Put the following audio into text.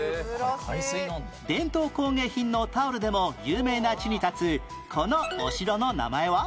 伝統工芸品のタオルでも有名な地に立つこのお城の名前は？